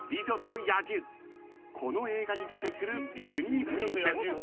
［この映画に出てくるディズニープリンセス］